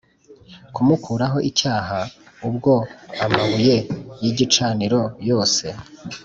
Kumukuraho icyaha ubwo amabuye y igicaniro yose